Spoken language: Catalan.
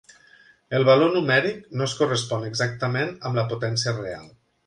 El valor numèric no es correspon exactament amb la potència real.